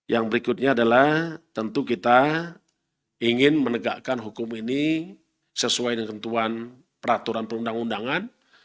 yang berikutnya adalah tentu kita ingin menegakkan hukum ini sesuai dengan tentuan peraturan perundang undangan